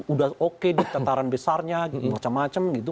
udah oke di tataran besarnya macam macam gitu